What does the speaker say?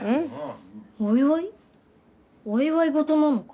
お祝い事なのか？